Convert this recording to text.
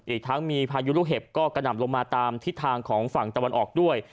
อีกทั้งมีพายุลูกเห็บก็กระหน่ำลงมาตามทิศทางของฝั่งตะวันออกด้วย